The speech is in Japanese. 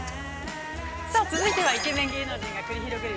◆さあ、続いてはイケメン芸能人が繰り広げる